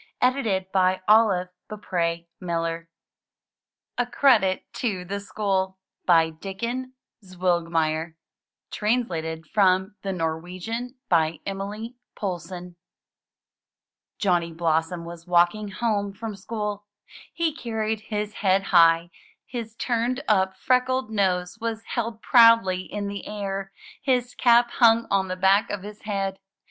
97 MYBOOK HOUSE A CREDIT TO THE SCHOOL* Dikken Zwilgmeyer Translated from the Norwegian by Emilie Poulsson Johnny Blossom was walking home from school. He carried his head high; his tumed up, freckled nose was held proudly in the air; his cap hung on the back of his head.